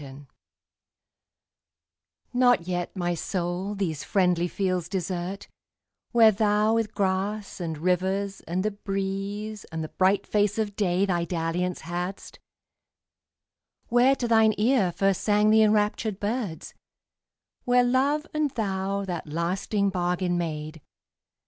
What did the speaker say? XXIV NOT yet, my soul, these friendly fields desert, Where thou with grass, and rivers, and the breeze, And the bright face of day, thy dalliance hadst; Where to thine ear first sang the enraptured birds; Where love and thou that lasting bargain made.